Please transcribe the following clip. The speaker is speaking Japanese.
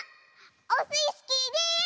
オスイスキーです！